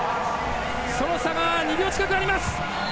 その差が２秒近くあります。